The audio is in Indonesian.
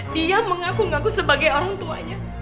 dia mengaku ngaku sebagai orang tuanya